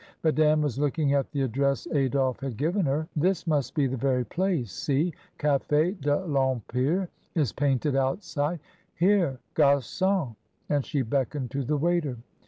Madame was looking at the address Adolphe had given her. "This must be the very place — see, *Cafe de TEmpire' is painted outside. Here, gargonl* and she beckoned to the waiter.